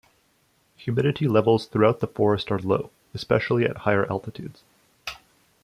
Humidity levels throughout the forest are low, especially at higher altitudes.